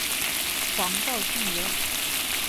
黄兆晋人。